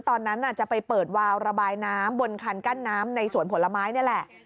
ตอนนั้นจะไปเปิดวาวระบายน้ำบนคันกั้นน้ำในสวนผลไม้นี่แหละ